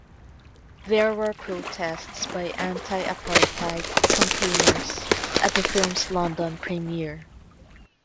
There were protests by anti-apartheid campaigners at the film's London premiere.